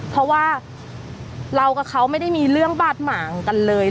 เพราะว่าเรากับเขาไม่ได้มีเรื่องบาดหมางกันเลย